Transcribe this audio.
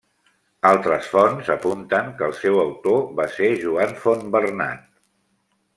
Altres fonts apunten que el seu autor va ser Joan Fontbernat.